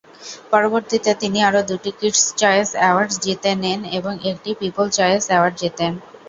পরবর্তীতে, তিনি আরও দুটি কিডস চয়েস অ্যাওয়ার্ডস জিতে নেন এবং একটি পিপলস চয়েস অ্যাওয়ার্ড জিতেন।